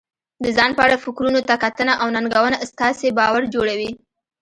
د ځان په اړه فکرونو ته کتنه او ننګونه ستاسې باور جوړوي.